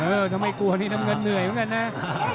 เออถ้าไม่กลัวนี่น้ำเงินเหนื่อยเหมือนกันนะ